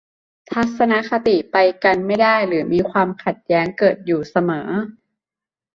ทัศนคติไปกันไม่ได้หรือมีความขัดแย้งเกิดอยู่เสมอ